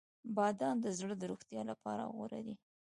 • بادام د زړه د روغتیا لپاره غوره دي.